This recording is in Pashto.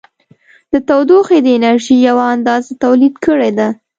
د تودوخې د انرژي یوه اندازه تولید کړې ده.